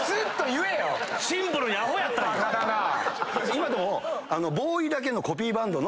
今でも。